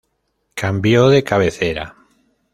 Cambio de cabecera.